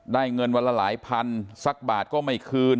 เงินวันละหลายพันสักบาทก็ไม่คืน